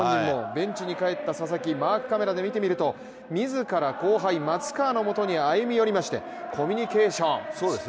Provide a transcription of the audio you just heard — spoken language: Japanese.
ベンチに帰った佐々木、マークカメラで見てみると、自ら、後輩・松川のもとに歩み寄りましてコミュニケーションをしっかりとりました。